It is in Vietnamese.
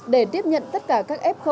để tiếp nhận tất cả các f